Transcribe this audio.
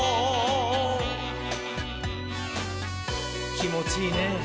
きもちいいねぇ。